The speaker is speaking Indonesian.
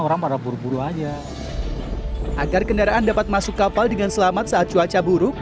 agar kendaraan dapat masuk kapal dengan selamat saat cuaca buruk